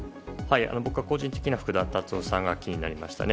僕は個人的には福田達夫さんが気になりましたね。